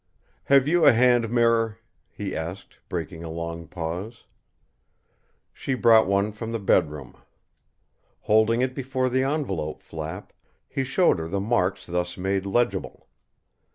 "Have you a hand mirror?" he asked, breaking a long pause. She brought one from the bedroom. Holding it before the envelope flap, he showed her the marks thus made legible.